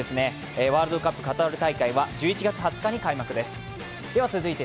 ワールドカップカタール大会は１２月に開催です。